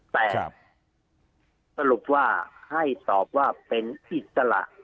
แต่สรุปว่าให้ตอบว่าเป็นอิสระ